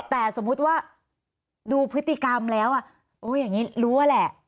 แต่สมมุติว่าดูพฤติกรรมแล้วโอ้อย่างนี้รู้อะแหละ